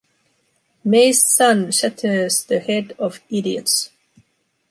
May’s sun shatters the head of idiots.